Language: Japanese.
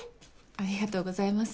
ありがとうございます。